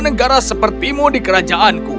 negara sepertimu di kerajaanku